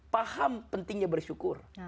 paham pentingnya bersyukur